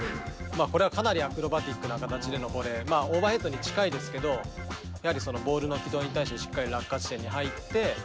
これはかなりアクロバチックな形でのボレーまあオーバーヘッドに近いですけどやはりそのボールの軌道に対してしっかり落下地点に入って。